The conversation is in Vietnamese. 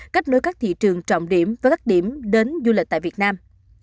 kết nối các thị trường trọng điểm với các điểm đến du lịch tại việt nam